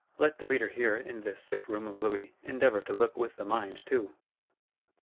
Let the Reader here, in this sick room of Louis, endeavour to look with the mind too.